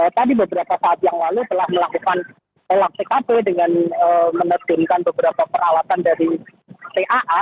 tadi beberapa saat yang lalu telah melakukan olah tkp dengan menerjunkan beberapa peralatan dari taa